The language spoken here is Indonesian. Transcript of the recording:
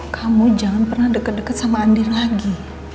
kamu jangan pernah deket deket sama andi lagi